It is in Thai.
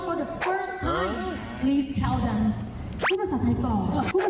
เพราะว่าการที่สนับสนุน